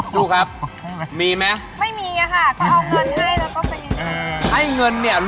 จู๊คับมีไหม